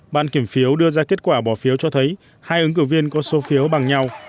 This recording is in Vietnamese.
ban kiểm phiếu đưa ra kết quả bỏ phiếu cho thấy hai ứng cử viên có số phiếu bằng nhau